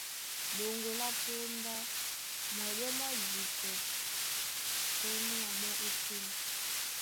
Ɗoŋgo lá póndá, mwɛɓɛ́ mwá jipɛ pɛ́ mú maɓɛ́ ótên.